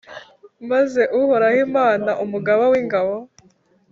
maze Uhoraho, Imana Umugaba w’ingabo,